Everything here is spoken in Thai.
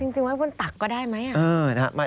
จริงไว้บนตักก็ได้ไหม